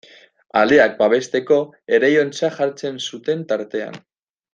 Aleak babesteko ereinotza jartzen zuten tartean.